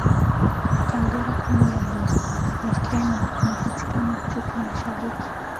caldera kubwa ya volkeno inapatikana afrika mashariki